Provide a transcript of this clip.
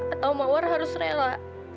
atau mawar harus rela